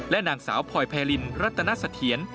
นางสาวพลอยไพรินรัตนสะเทียน